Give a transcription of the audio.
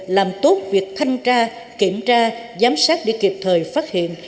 làm tốt việc thanh tra kiểm tra giám sát để kịp thời phát hiện